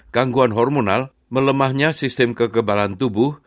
gangguan hormonal melemahnya sistem kekebalan tubuh